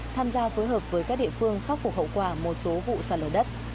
tham gia phối hợp với các địa phương khắc phục hậu quả một số vụ sả lửa đất